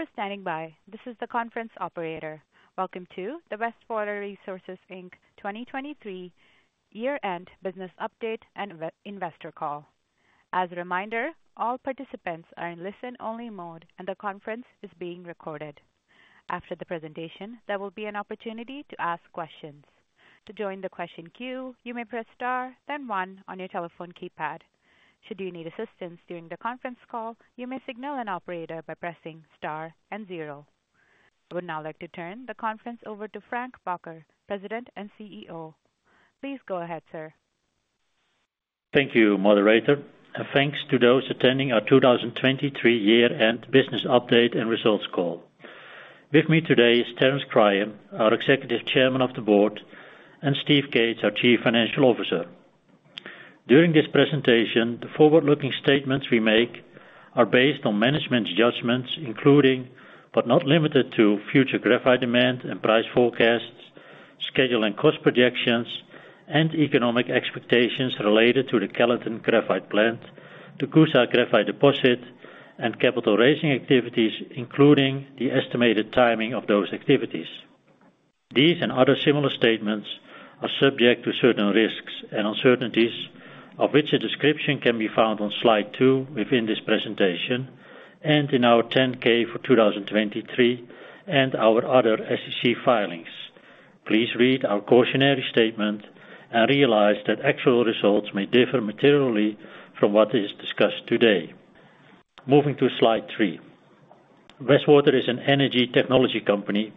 Thank you for standing by. This is the conference operator. Welcome to the Westwater Resources, Inc. 2023 year-end business update and Q&A investor call. As a reminder, all participants are in listen-only mode, and the conference is being recorded. After the presentation, there will be an opportunity to ask questions. To join the question queue, you may press star, then one, on your telephone keypad. Should you need assistance during the conference call, you may signal an operator by pressing star and zero. I would now like to turn the conference over to Frank Bakker, President and CEO. Please go ahead, sir. Thank you, Moderator. Thanks to those attending our 2023 year-end business update and results call. With me today is Terence Cryan, our Executive Chairman of the Board, and Steve Cates, our Chief Financial Officer. During this presentation, the forward-looking statements we make are based on management's judgments, including, but not limited to, future graphite demand and price forecasts, schedule and cost projections, and economic expectations related to the Kellyton Graphite Plant, the Coosa Graphite Deposit, and capital raising activities, including the estimated timing of those activities. These and other similar statements are subject to certain risks and uncertainties, of which a description can be found on slide two within this presentation, and in our 10-K for 2023 and our other SEC filings. Please read our cautionary statement and realize that actual results may differ materially from what is discussed today. Moving to slide three. Westwater is an energy technology company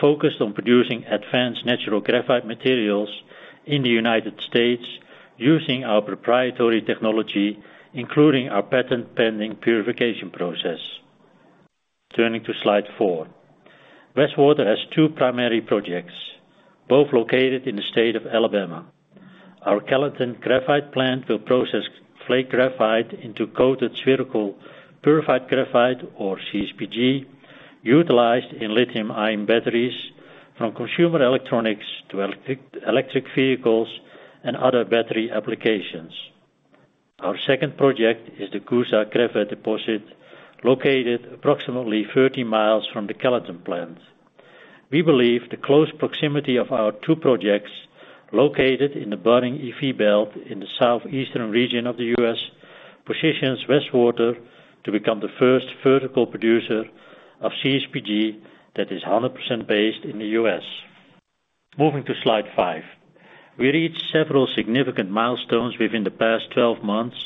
focused on producing advanced natural graphite materials in the United States using our proprietary technology, including our patent-pending purification process. Turning to slide four. Westwater has two primary projects, both located in the state of Alabama. Our Kellyton Graphite Plant will process flake graphite into coated spherical purified graphite, or CSPG, utilized in Lithium-ion batteries, from consumer electronics to electric vehicles and other battery applications. Our second project is the Coosa Graphite Deposit, located approximately 30 miles from the Kellyton plant. We believe the close proximity of our two projects, located in the Birmingham EV belt in the Southeastern region of the U.S., positions Westwater to become the first vertical producer of CSPG that is 100% based in the U.S. Moving to slide five. We reached several significant milestones within the past 12 months,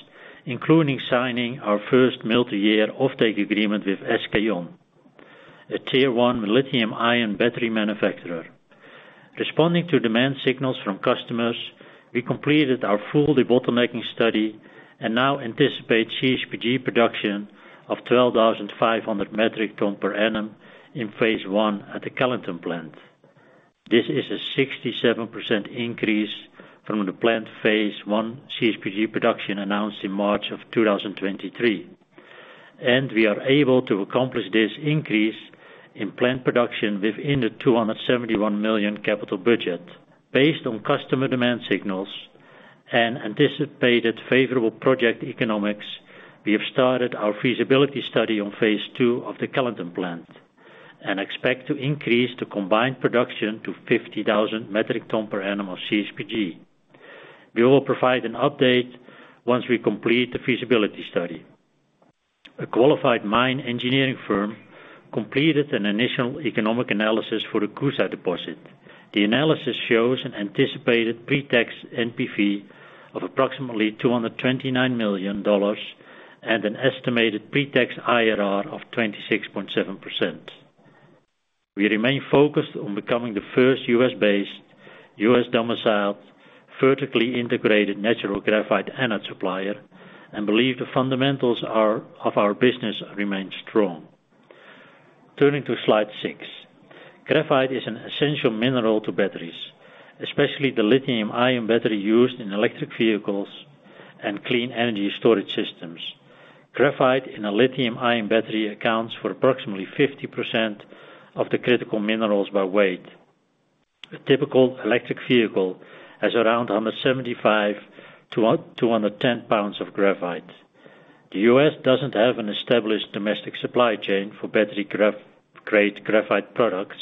including signing our first multi-year offtake agreement with SK On, a tier-one Lithium-ion battery manufacturer. Responding to demand signals from customers, we completed our full debottlenecking study and now anticipate CSPG production of 12,500 metric tons per annum in phase one at the Kellyton plant. This is a 67% increase from the plant phase I CSPG production announced in March of 2023. We are able to accomplish this increase in plant production within the $271 million capital budget. Based on customer demand signals and anticipated favorable project economics, we have started our feasibility study on phase two of the Kellyton plant and expect to increase the combined production to 50,000 metric tons per annum of CSPG. We will provide an update once we complete the feasibility study. A qualified mine engineering firm completed an initial economic analysis for the Coosa deposit. The analysis shows an anticipated pretax NPV of approximately $229 million and an estimated pretax IRR of 26.7%. We remain focused on becoming the first U.S.-based, U.S.-domiciled, vertically integrated natural graphite anode supplier and believe the fundamentals of our business remain strong. Turning to slide six. Graphite is an essential mineral to batteries, especially the Lithium-ion battery used in electric vehicles and clean energy storage systems. Graphite in a Lithium-ion battery accounts for approximately 50% of the critical minerals by weight. A typical electric vehicle has around 175-210 pounds of graphite. The U.S. doesn't have an established domestic supply chain for battery-grade graphite products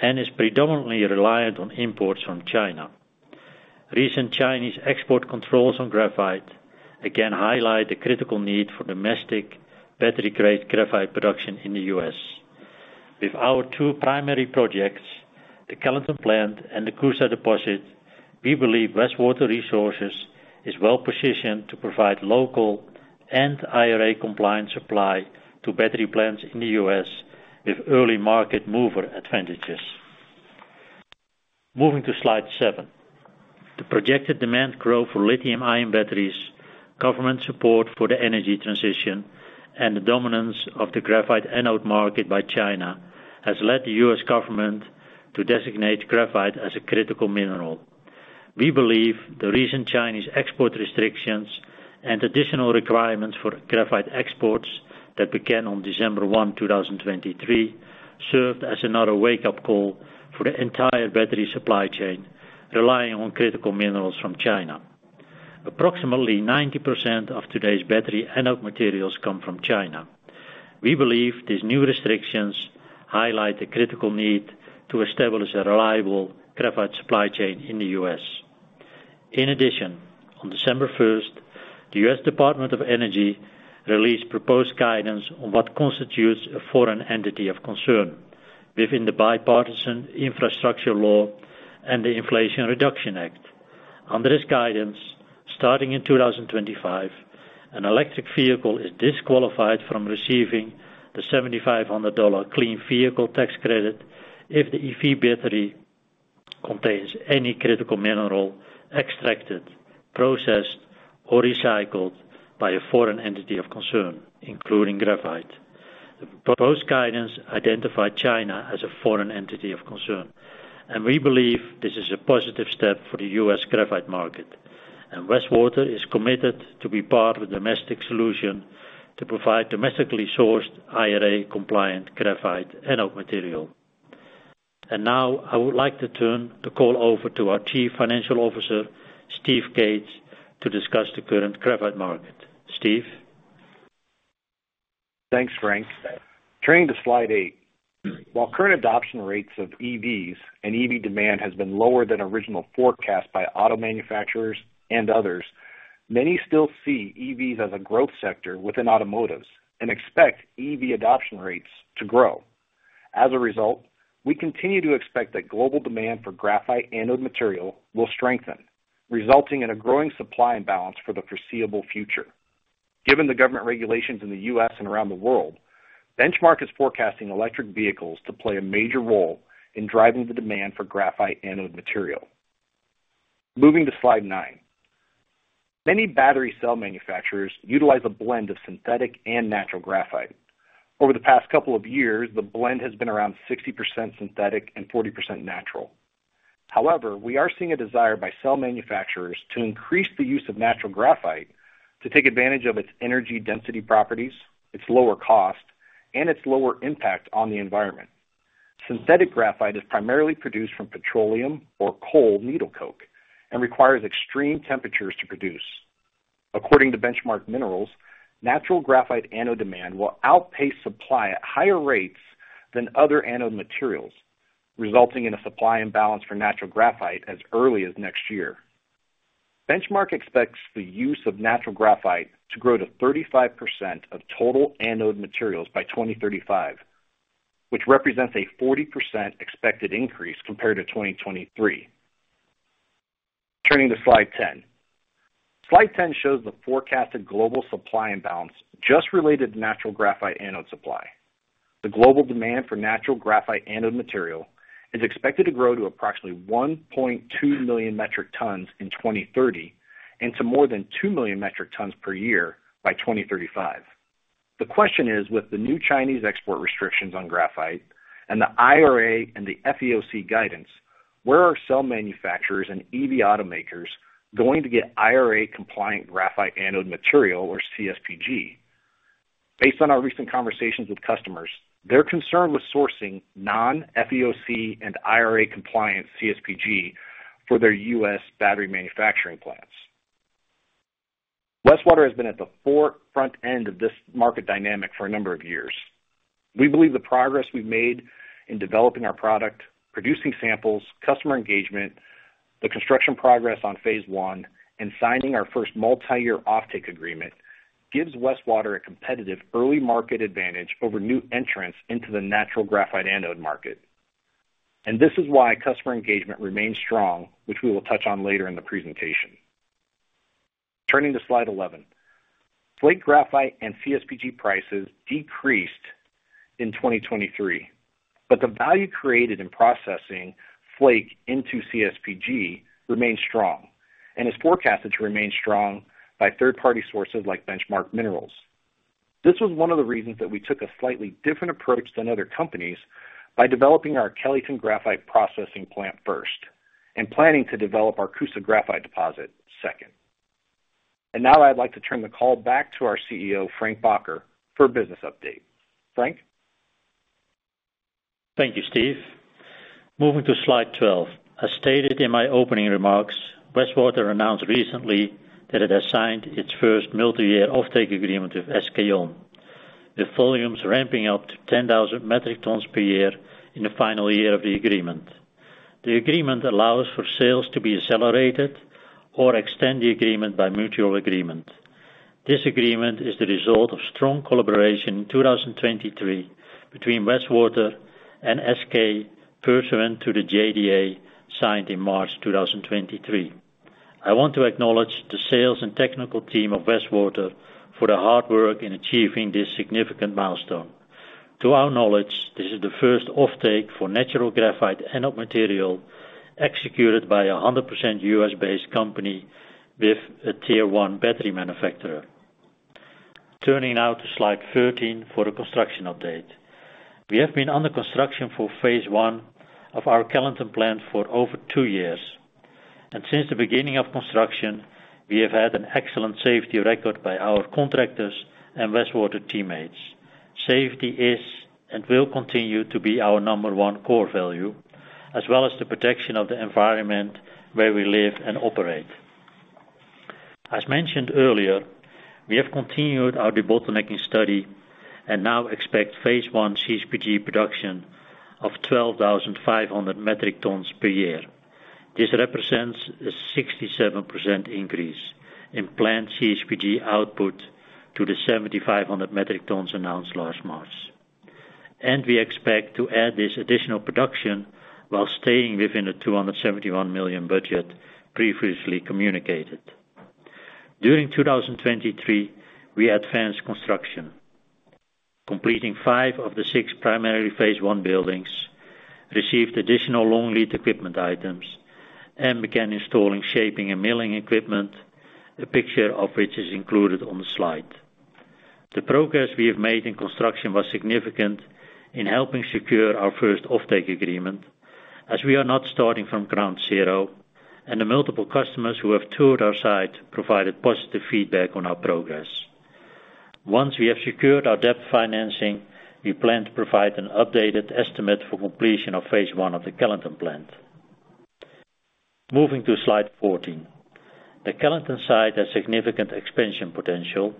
and is predominantly reliant on imports from China. Recent Chinese export controls on graphite again highlight the critical need for domestic battery-grade graphite production in the U.S. With our two primary projects, the Kellyton plant and the Coosa deposit, we believe Westwater Resources is well positioned to provide local and IRA-compliant supply to battery plants in the U.S. with early market mover advantages. Moving to slide seven. The projected demand growth for Lithium-ion batteries, government support for the energy transition, and the dominance of the graphite anode market by China has led the U.S. government to designate graphite as a critical mineral. We believe the recent Chinese export restrictions and additional requirements for graphite exports that began on December 1, 2023, served as another wake-up call for the entire battery supply chain relying on critical minerals from China. Approximately 90% of today's battery anode materials come from China. We believe these new restrictions highlight the critical need to establish a reliable graphite supply chain in the U.S. In addition, on December 1st, the U.S. Department of Energy released proposed guidance on what constitutes a foreign entity of concern within the Bipartisan Infrastructure Law and the Inflation Reduction Act. Under this guidance, starting in 2025, an electric vehicle is disqualified from receiving the $7,500 clean vehicle tax credit if the EV battery contains any critical mineral extracted, processed, or recycled by a foreign entity of concern, including graphite. The proposed guidance identified China as a foreign entity of concern, and we believe this is a positive step for the U.S. graphite market. Westwater is committed to be part of the domestic solution to provide domestically sourced IRA-compliant graphite anode material. Now I would like to turn the call over to our Chief Financial Officer, Steve Cates, to discuss the current graphite market. Steve? Thanks, Frank. Turning to slide eight. While current adoption rates of EVs and EV demand have been lower than original forecasts by auto manufacturers and others, many still see EVs as a growth sector within automotives and expect EV adoption rates to grow. As a result, we continue to expect that global demand for graphite anode material will strengthen, resulting in a growing supply imbalance for the foreseeable future. Given the government regulations in the U.S. and around the world, Benchmark is forecasting electric vehicles to play a major role in driving the demand for graphite anode material. Moving to slide nine. Many battery cell manufacturers utilize a blend of synthetic and natural graphite. Over the past couple of years, the blend has been around 60% synthetic and 40% natural. However, we are seeing a desire by cell manufacturers to increase the use of natural graphite to take advantage of its energy density properties, its lower cost, and its lower impact on the environment. Synthetic graphite is primarily produced from petroleum or coal needle coke and requires extreme temperatures to produce. According to Benchmark Minerals, natural graphite anode demand will outpace supply at higher rates than other anode materials, resulting in a supply imbalance for natural graphite as early as next year. Benchmark expects the use of natural graphite to grow to 35% of total anode materials by 2035, which represents a 40% expected increase compared to 2023. Turning to slide 10. Slide 10 shows the forecasted global supply imbalance just related to natural graphite anode supply. The global demand for natural graphite anode material is expected to grow to approximately 1.2 million metric tons in 2030 and to more than 2 million metric tons per year by 2035. The question is, with the new Chinese export restrictions on graphite and the IRA and the FEOC guidance, where are cell manufacturers and EV automakers going to get IRA-compliant graphite anode material, or CSPG? Based on our recent conversations with customers, they're concerned with sourcing non-FEOC and IRA-compliant CSPG for their U.S. battery manufacturing plants. Westwater has been at the forefront end of this market dynamic for a number of years. We believe the progress we've made in developing our product, producing samples, customer engagement, the construction progress on phase one, and signing our first multi-year offtake agreement gives Westwater a competitive early market advantage over new entrants into the natural graphite anode market. This is why customer engagement remains strong, which we will touch on later in the presentation. Turning to slide 11. Flake graphite and CSPG prices decreased in 2023, but the value created in processing flake into CSPG remains strong and is forecasted to remain strong by third-party sources like Benchmark Minerals. This was one of the reasons that we took a slightly different approach than other companies by developing our Kellyton Graphite Processing Plant first and planning to develop our Coosa Graphite Deposit second. Now I'd like to turn the call back to our CEO, Frank Bakker, for a business update. Frank? Thank you, Steve. Moving to slide 12. As stated in my opening remarks, Westwater announced recently that it has signed its first multi-year offtake agreement with SK On, with volumes ramping up to 10,000 metric tons per year in the final year of the agreement. The agreement allows for sales to be accelerated or extend the agreement by mutual agreement. This agreement is the result of strong collaboration in 2023 between Westwater and SK, pursuant to the JDA signed in March 2023. I want to acknowledge the sales and technical team of Westwater for the hard work in achieving this significant milestone. To our knowledge, this is the first offtake for natural graphite anode material executed by a 100% U.S.-based company with a tier-one battery manufacturer. Turning now to slide 13 for a construction update. We have been under construction for phase I of our Kellyton plant for over two years, and since the beginning of construction, we have had an excellent safety record by our contractors and Westwater teammates. Safety is and will continue to be our number one core value, as well as the protection of the environment where we live and operate. As mentioned earlier, we have continued our debottlenecking study and now expect phase one CSPG production of 12,500 metric tons per year. This represents a 67% increase in plant CSPG output to the 7,500 metric tons announced last March. We expect to add this additional production while staying within the $271 million budget previously communicated. During 2023, we advanced construction. Completing five of the six primarily phase one buildings received additional long lead equipment items and began installing shaping and milling equipment, a picture of which is included on the slide. The progress we have made in construction was significant in helping secure our first offtake agreement, as we are not starting from ground zero, and the multiple customers who have toured our site provided positive feedback on our progress. Once we have secured our debt financing, we plan to provide an updated estimate for completion of phase one of the Kellyton plant. Moving to slide 14. The Kellyton site has significant expansion potential.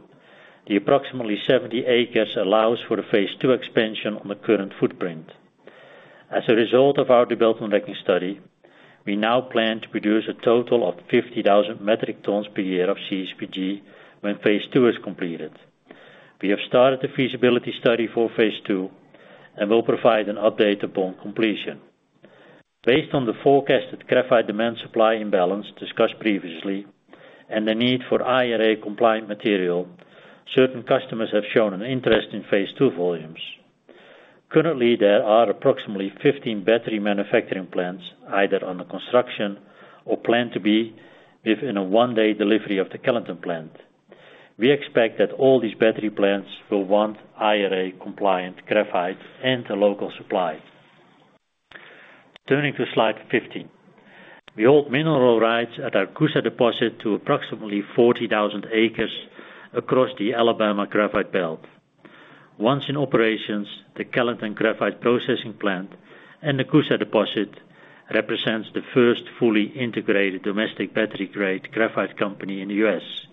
The approximately 70 acres allows for the phase II expansion on the current footprint. As a result of our debottlenecking study, we now plan to produce a total of 50,000 metric tons per year of CSPG when phase II is completed. We have started the feasibility study for phase two and will provide an update upon completion. Based on the forecasted graphite demand supply imbalance discussed previously and the need for IRA-compliant material, certain customers have shown an interest in phase II volumes. Currently, there are approximately 15 battery manufacturing plants either under construction or planned to be within a one-day delivery of the Kellyton plant. We expect that all these battery plants will want IRA-compliant graphite and a local supply. Turning to slide 15. We hold mineral rights at our Coosa deposit to approximately 40,000 acres across the Alabama Graphite Belt. Once in operations, the Kellyton Graphite Processing Plant and the Coosa deposit represent the first fully integrated domestic battery-grade graphite company in the U.S.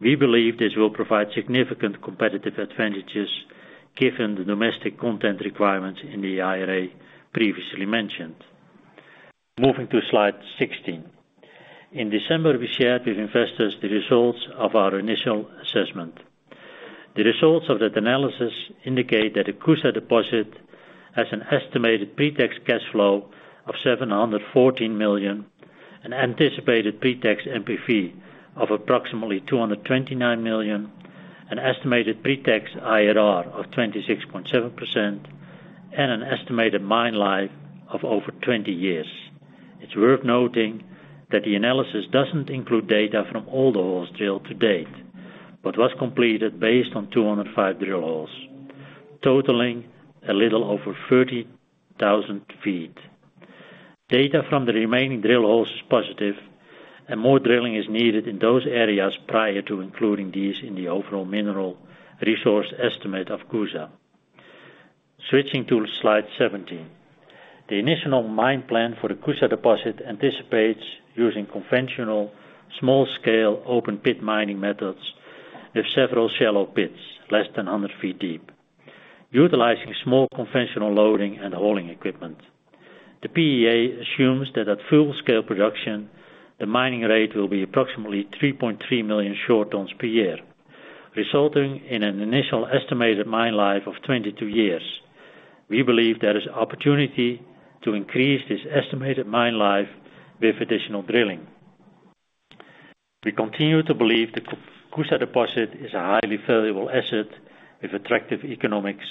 We believe this will provide significant competitive advantages given the domestic content requirements in the IRA previously mentioned. Moving to slide 16. In December, we shared with investors the results of our initial assessment. The results of that analysis indicate that the Coosa deposit has an estimated pretax cash flow of $714 million, an anticipated pretax NPV of approximately $229 million, an estimated pretax IRR of 26.7%, and an estimated mine life of over 20 years. It's worth noting that the analysis doesn't include data from all the holes drilled to date, but was completed based on 205 drill holes, totaling a little over 30,000 feet. Data from the remaining drill holes is positive, and more drilling is needed in those areas prior to including these in the overall mineral resource estimate of Coosa. Switching to slide 17. The initial mine plan for the Coosa deposit anticipates, using conventional small-scale open-pit mining methods with several shallow pits less than 100 feet deep, utilizing small conventional loading and hauling equipment. The PEA assumes that at full-scale production, the mining rate will be approximately 3.3 million short tons per year, resulting in an initial estimated mine life of 22 years. We believe there is opportunity to increase this estimated mine life with additional drilling. We continue to believe the Coosa deposit is a highly valuable asset with attractive economics,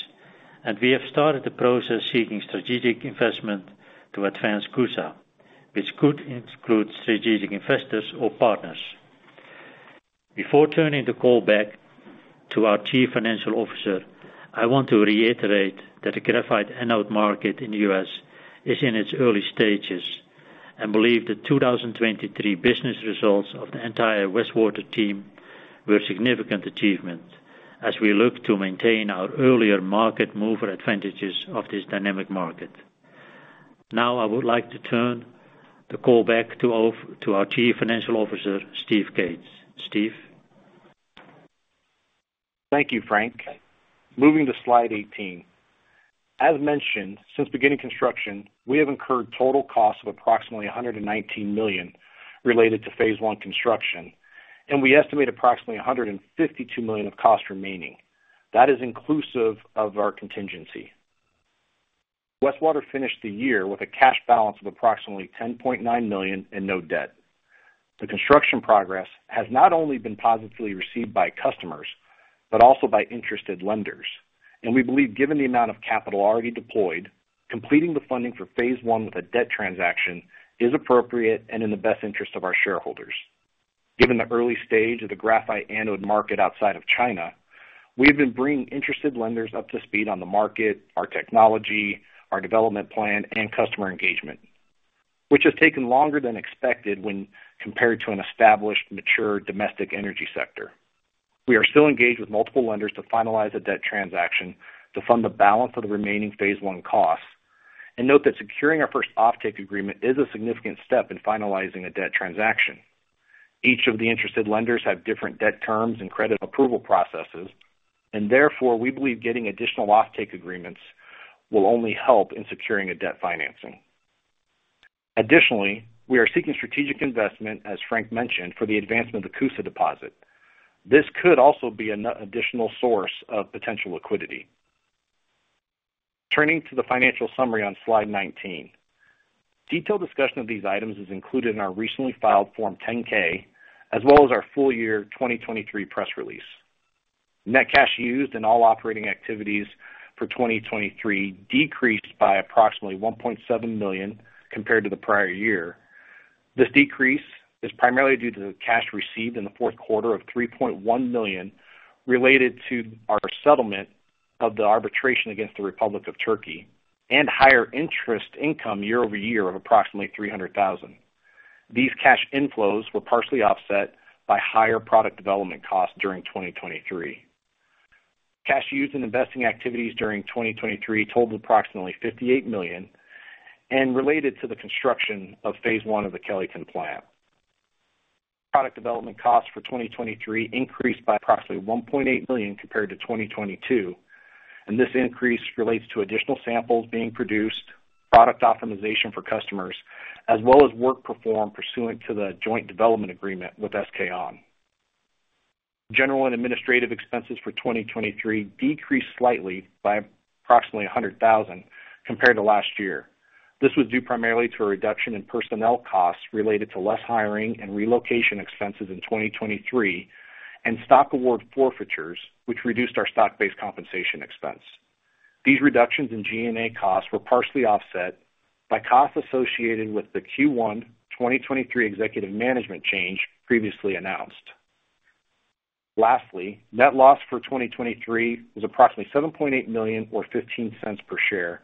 and we have started the process seeking strategic investment to advance Coosa, which could include strategic investors or partners. Before turning the call back to our Chief Financial Officer, I want to reiterate that the graphite anode market in the U.S. is in its early stages and believe that 2023 business results of the entire Westwater team were significant achievements as we look to maintain our earlier market mover advantages of this dynamic market. Now I would like to turn the call back to our Chief Financial Officer, Steve Cates. Steve? Thank you, Frank. Moving to slide 18. As mentioned, since beginning construction, we have incurred total costs of approximately $119 million related to phase I construction, and we estimate approximately $152 million of cost remaining. That is inclusive of our contingency. Westwater finished the year with a cash balance of approximately $10.9 million and no debt. The construction progress has not only been positively received by customers but also by interested lenders, and we believe given the amount of capital already deployed, completing the funding for phase I with a debt transaction is appropriate and in the best interest of our shareholders. Given the early stage of the graphite anode market outside of China, we have been bringing interested lenders up to speed on the market, our technology, our development plan, and customer engagement, which has taken longer than expected when compared to an established, mature domestic energy sector. We are still engaged with multiple lenders to finalize a debt transaction to fund the balance of the remaining phase one costs and note that securing our first offtake agreement is a significant step in finalizing a debt transaction. Each of the interested lenders has different debt terms and credit approval processes, and therefore we believe getting additional offtake agreements will only help in securing a debt financing. Additionally, we are seeking strategic investment, as Frank mentioned, for the advancement of the Coosa Deposit. This could also be an additional source of potential liquidity. Turning to the financial summary on slide 19. Detailed discussion of these items is included in our recently filed Form 10-K, as well as our full year 2023 press release. Net cash used in all operating activities for 2023 decreased by approximately $1.7 million compared to the prior year. This decrease is primarily due to the cash received in the fourth quarter of $3.1 million related to our settlement of the arbitration against the Republic of Turkey and higher interest income year-over-year of approximately $300,000. These cash inflows were partially offset by higher product development costs during 2023. Cash used in investing activities during 2023 totaled approximately $58 million and related to the construction of phase I of the Kellyton plant. Product development costs for 2023 increased by approximately $1.8 million compared to 2022, and this increase relates to additional samples being produced, product optimization for customers, as well as work performed pursuant to the joint development agreement with SK On. General and administrative expenses for 2023 decreased slightly by approximately $100,000 compared to last year. This was due primarily to a reduction in personnel costs related to less hiring and relocation expenses in 2023 and stock award forfeitures, which reduced our stock-based compensation expense. These reductions in G&A costs were partially offset by costs associated with the Q1 2023 executive management change previously announced. Lastly, net loss for 2023 was approximately $7.8 million or $0.15 per share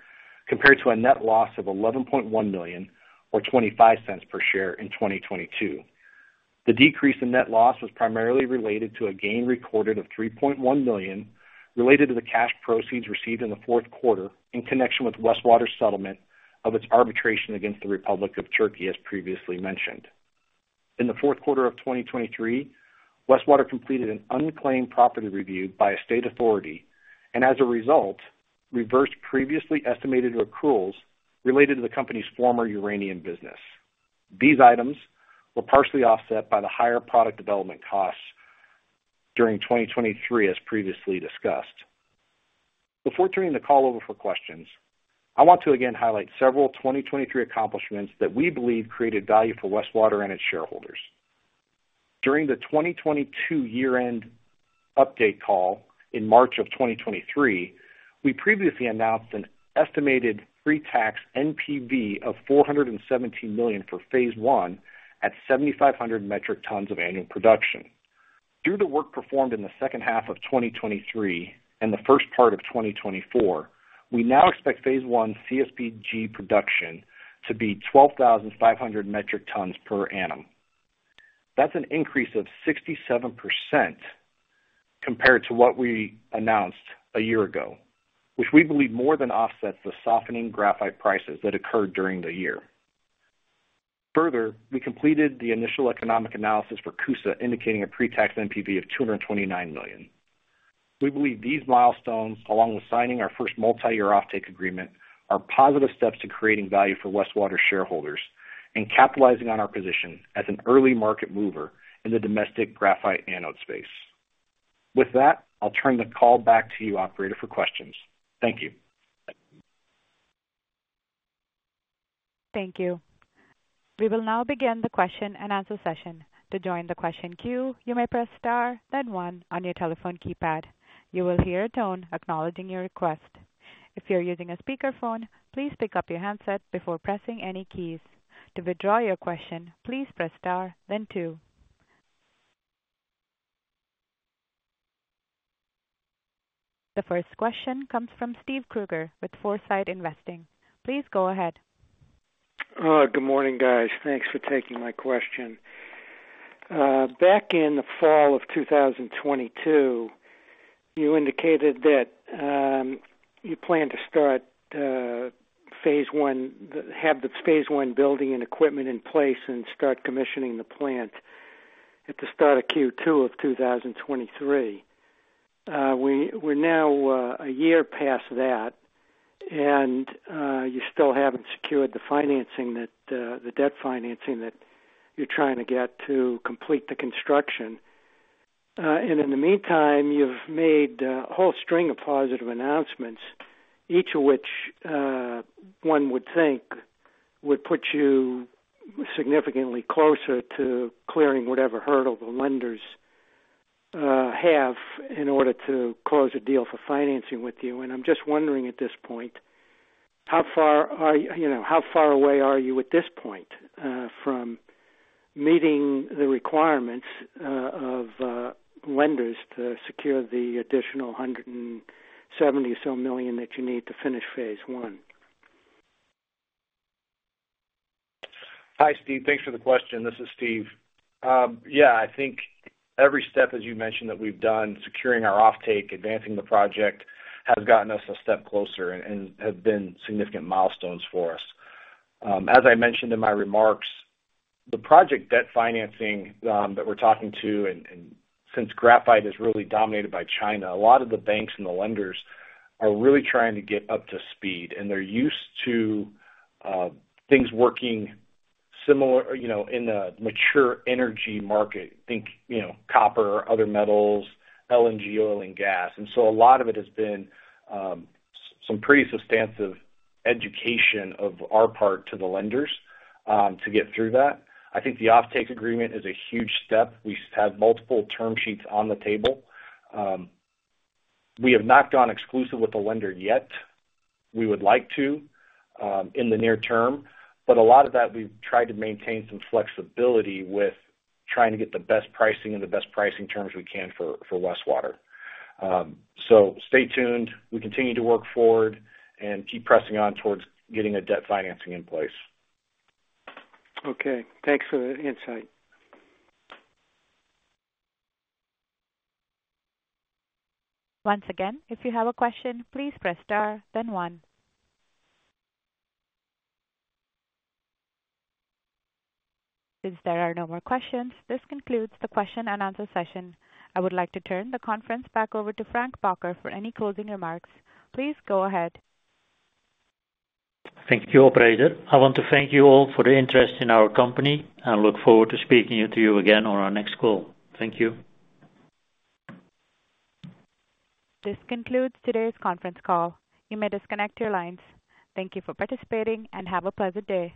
compared to a net loss of $11.1 million or $0.25 per share in 2022. The decrease in net loss was primarily related to a gain recorded of $3.1 million related to the cash proceeds received in the Q4 in connection with Westwater's settlement of its arbitration against the Republic of Turkey, as previously mentioned. In the Q4 of 2023, Westwater completed an unclaimed property review by a state authority and, as a result, reversed previously estimated accruals related to the company's former uranium business. These items were partially offset by the higher product development costs during 2023, as previously discussed. Before turning the call over for questions, I want to again highlight several 2023 accomplishments that we believe created value for Westwater and its shareholders. During the 2022 year-end update call in March of 2023, we previously announced an estimated pretax NPV of $417 million for phase I at 7,500 metric tons of annual production. Due to work performed in the second half of 2023 and the first part of 2024, we now expect phase I CSPG production to be 12,500 metric tons per annum. That's an increase of 67% compared to what we announced a year ago, which we believe more than offsets the softening graphite prices that occurred during the year. Further, we completed the initial economic analysis for Coosa indicating a pretax NPV of $229 million. We believe these milestones, along with signing our first multi-year offtake agreement, are positive steps to creating value for Westwater's shareholders and capitalizing on our position as an early market mover in the domestic graphite anode space. With that, I'll turn the call back to you, operator, for questions. Thank you. Thank you. We will now begin the question and answer session. To join the question queue, you may press star, then one, on your telephone keypad. You will hear a tone acknowledging your request. If you're using a speakerphone, please pick up your handset before pressing any keys. To withdraw your question, please press star, then two. The first question comes from Steve Kruger with Foresight Investing. Please go ahead. Good morning, guys. Thanks for taking my question. Back in the fall of 2022, you indicated that you plan to start phase I, have the phase one building and equipment in place, and start commissioning the plant at the start of Q2 of 2023. We're now a year past that, and you still haven't secured the debt financing that you're trying to get to complete the construction. And in the meantime, you've made a whole string of positive announcements, each of which, one would think, would put you significantly closer to clearing whatever hurdle the lenders have in order to close a deal for financing with you. And I'm just wondering at this point, how far away are you at this point from meeting the requirements of lenders to secure the additional $170 million or so that you need to finish phase I? Hi, Steve. Thanks for the question. This is Steve. Yeah, I think every step, as you mentioned, that we've done securing our offtake, advancing the project, has gotten us a step closer and have been significant milestones for us. As I mentioned in my remarks, the project debt financing that we're talking to, and since graphite is really dominated by China, a lot of the banks and the lenders are really trying to get up to speed, and they're used to things working similar in the mature energy market, think copper, other metals, LNG oil, and gas. And so a lot of it has been some pretty substantive education on our part to the lenders to get through that. I think the offtake agreement is a huge step. We have multiple term sheets on the table. We have not gone exclusive with the lender yet. We would like to in the near term, but a lot of that, we've tried to maintain some flexibility with trying to get the best pricing and the best pricing terms we can for Westwater. So stay tuned. We continue to work forward and keep pressing on towards getting a debt financing in place. Okay. Thanks for the insight. Once again, if you have a question, please press star, then one. Since there are no more questions, this concludes the question and answer session. I would like to turn the conference back over to Frank Bakker for any closing remarks. Please go ahead. Thank you, operator. I want to thank you all for the interest in our company and look forward to speaking to you again on our next call. Thank you. This concludes today's conference call. You may disconnect your lines. Thank you for participating, and have a pleasant day.